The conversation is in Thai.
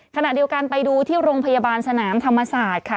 ขณะเดียวกันไปดูที่โรงพยาบาลสนามธรรมศาสตร์ค่ะ